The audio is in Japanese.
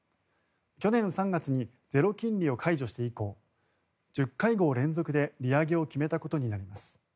去年３月にゼロ金利を解除して以降１０会合連続で利上げを決めたことになります。